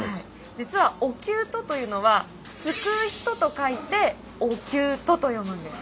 実はおきゅうとというのは救う人と書いてお救人と読むんです。